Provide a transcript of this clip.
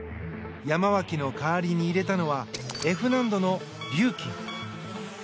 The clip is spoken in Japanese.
ヤマワキの代わりに入れたのはＦ難度のリューキン。